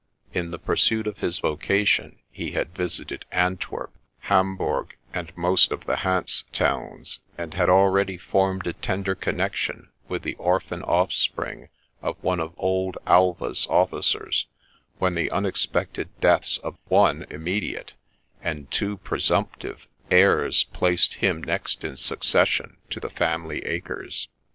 In the pursuit of his vocation he had visited Antwerp, Hamburg, and most of the Hanse Towns ; and had already formed a tender connexion with the orphan offspring of one of old Alva's officers, when the unexpected deaths of one immediate, and two presumptive, heirs placed him next in succession to the family acres.